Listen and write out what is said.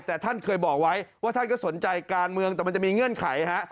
แต่ท่านเคยบอกไว้ว่าท่านก็สนใจการเมืองแต่มันจะมีเงื่อนไขฮะ